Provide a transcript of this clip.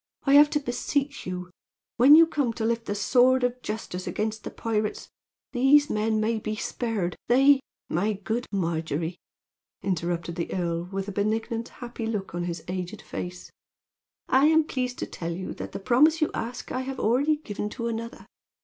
I have to beseech you, that when you come to lift the sword of justice against the pirates, these men may be spared. They " "My good Margery," interrupted the earl, with a benignant, happy look on his aged face, "I am pleased to tell you that the promise you ask I have already given to another.